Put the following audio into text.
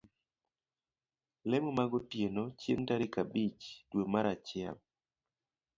lemo magotiene chieng' tarik abich dwe mar achiel.